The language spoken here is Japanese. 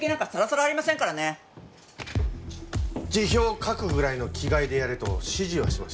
辞表を書くぐらいの気概でやれと指示はしましたが。